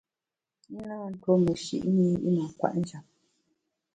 I na ntuo tuo meshi’ i mâ kwet njap.